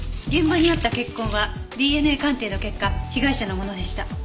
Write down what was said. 現場にあった血痕はＤＮＡ鑑定の結果被害者のものでした。